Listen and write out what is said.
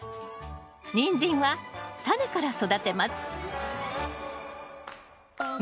ニンジンはタネから育てます